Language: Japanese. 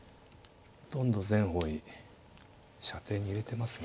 ほとんど全方位射程に入れてますね。